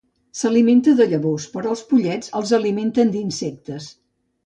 S'alimenta de llavors, però els pollets els alimenten d'insectes.